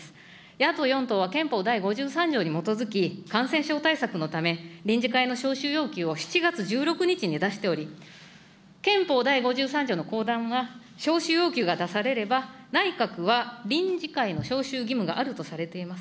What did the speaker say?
野党４党は憲法第５３条に基づき、感染症対策のため、臨時会の召集要求を７月１６日に出しており、憲法第５３条の後段は、召集要求が出されれば、内閣は臨時会の召集義務があるとされています。